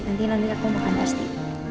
nanti nanti aku akan pasti